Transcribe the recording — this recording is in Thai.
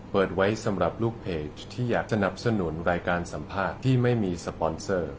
เปิดไว้สำหรับลูกเพจที่อยากสนับสนุนรายการสัมภาษณ์ที่ไม่มีสปอนเซอร์